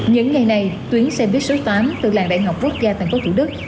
những ngày này tuyến xe buýt số tám từ làng đại học quốc gia tp hcm